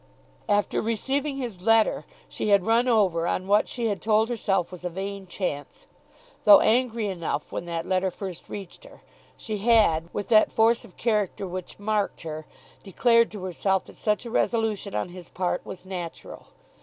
After receiving his letter she had run over on what she had told herself was a vain chance. Though angry enough when that letter first reached her, she had, with that force of character which marked her, declared to herself that such a resolution on his part was natural.